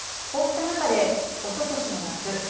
こうした中で、おととしの夏